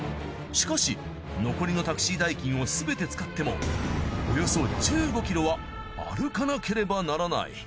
しかし残りのタクシー代金をすべて使ってもおよそ１５ｋｍは歩かなければならない。